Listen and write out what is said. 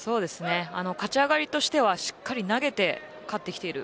勝ち上がりとしてはしっかり投げて勝ってきている。